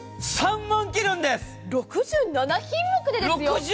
６７品目でですよ。